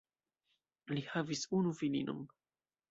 Li havis unu filinon.